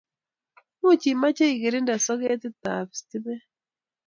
much imache ikirinde soketit ab stimet